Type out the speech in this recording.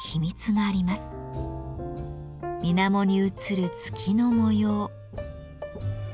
みなもに映る月の模様。